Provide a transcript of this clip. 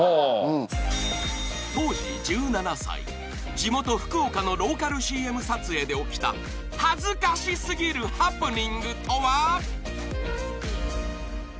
［地元福岡のローカルＣＭ撮影で起きた恥ずかし過ぎるハプニングとは？］